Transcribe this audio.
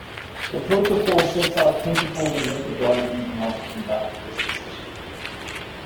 The Protocol sets out principles and methodologies on how to conduct a risk assessment.